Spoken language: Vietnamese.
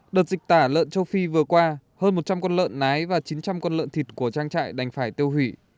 đợt dịch tả lợn châu phi vừa qua hơn một trăm linh con lợn nái và chín trăm linh con lợn thịt của trang trại đành phải tiêu hủy